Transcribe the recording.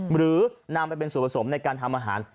หรือนำไปเป็นส่วนผสมในการทำอาหาร